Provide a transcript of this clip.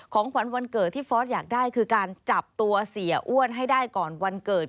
ของขวัญวันเกิดที่ฟอสอยากได้คือการจับตัวเสียอ้วนให้ได้ก่อนวันเกิด